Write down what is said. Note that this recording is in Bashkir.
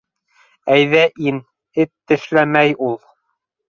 - Әйҙә ин, эт тешләмәй ул...